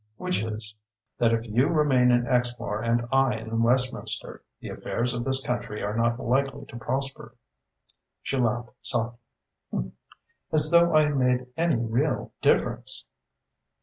"Which is?" "That if you remain on Exmoor and I in Westminster, the affairs of this country are not likely to prosper." She laughed softly. "As though I made any real' difference!"